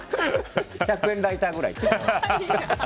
１００円ライターぐらい。